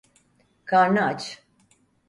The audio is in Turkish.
Karnı aç.